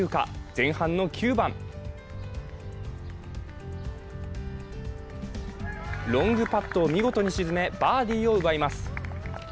前半の９番、ロングパットを見事に沈め、バーディーを奪います。